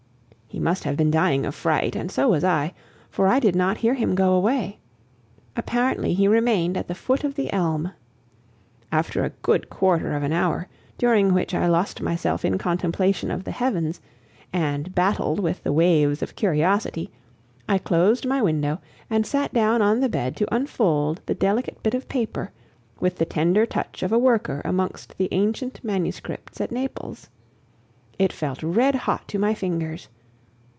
He must have been dying of fright, and so was I, for I did not hear him go away; apparently he remained at the foot of the elm. After a good quarter of an hour, during which I lost myself in contemplation of the heavens, and battled with the waves of curiosity, I closed my widow and sat down on the bed to unfold the delicate bit of paper, with the tender touch of a worker amongst the ancient manuscripts at Naples. It felt redhot to my fingers.